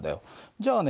じゃあね